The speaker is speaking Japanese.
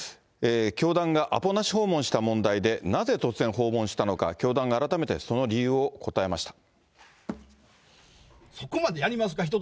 教団がアポなし訪問した問題で、なぜ突然訪問したのか、教団が改めてその理由を答えました。